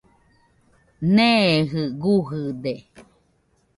Neeji gujɨde.